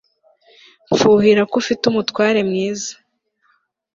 Mfuhira ko ufite umutware mwiza